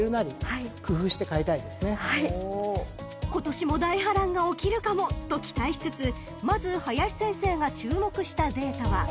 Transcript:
［今年も大波乱が起きるかもと期待しつつまず林先生が注目したデータは］